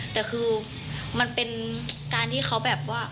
แต่คือมันเป็นการที่เขาแบบว่า